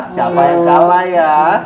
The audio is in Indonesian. siapa yang kalah ya